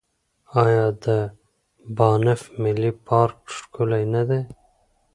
آیا د بانف ملي پارک ښکلی نه دی؟